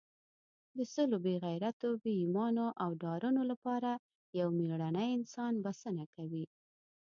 د سلو بې غیرتو، بې ایمانو او ډارنو لپاره یو مېړنی انسان بسنه کوي.